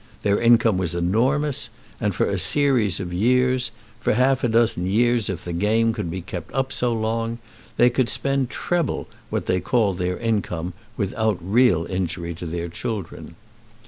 Their income was enormous, and for a series of years, for half a dozen years if the game could be kept up so long, they could spend treble what they called their income without real injury to their children.